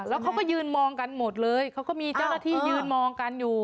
แล้วเขาก็ยืนมองกันหมดเลยเขาก็มีเจ้าหน้าที่ยืนมองกันอยู่